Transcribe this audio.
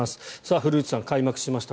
古内さん、開幕しました。